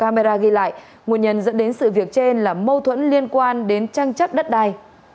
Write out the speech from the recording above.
về ra ghi lại nguồn nhân dẫn đến sự việc trên là mâu thuẫn liên quan đến trang chất đất đai